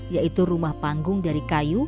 yaitu rumah panggung dari kayu